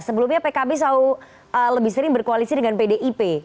sebelumnya pkb selalu lebih sering berkoalisi dengan pdip